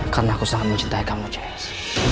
karena aku sangat mencintai kamu jess